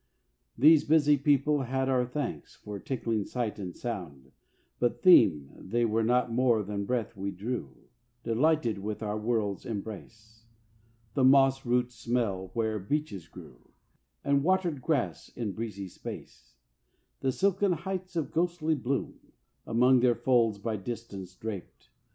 These busy people had our thanks For tickling sight and sound, but theme They were not more than breath we drew Delighted with our world's embrace: The moss root smell where beeches grew, And watered grass in breezy space; The silken heights, of ghostly bloom Among their folds, by distance draped.